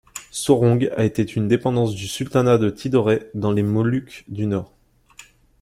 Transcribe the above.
Sorong a été une dépendance du sultanat de Tidore dans les Moluques du Nord.